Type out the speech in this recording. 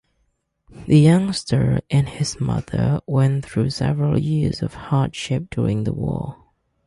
The youngster and his mother went through several years of hardship during the war.